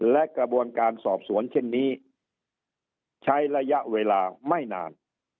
และกระบวนการสอบสวนเช่นนี้ใช้ระยะเวลาไม่นาน